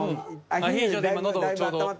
アヒージョで喉ちょうど。